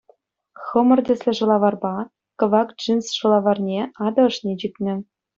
Хӑмӑр тӗслӗ шӑлаварпа, кӑвак джинс шӑлаварне атӑ ӑшне чикнӗ.